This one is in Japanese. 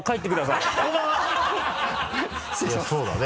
いやそうだね。